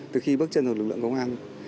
từ khi bước chân vào lực lượng công an